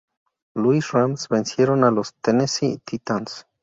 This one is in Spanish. Louis Rams vencieron a los Tennessee Titans.